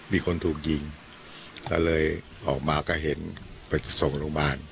มีคนถูกยิงแล้วเลยออกมาก็เห็นไปส่งลงบ้าน